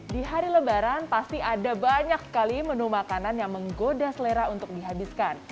di hari lebaran pasti ada banyak sekali menu makanan yang menggoda selera untuk dihabiskan